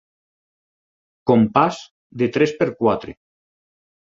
Compàs de tres per quatre.